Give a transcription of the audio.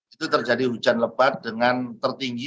itu terjadi hujan lebat dengan tertinggi